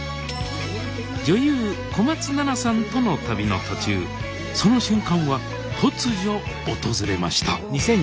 女優小松菜奈さんとの旅の途中その瞬間は突如訪れました